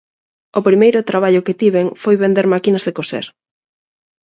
O primeiro traballo que tiven foi vender máquinas de coser.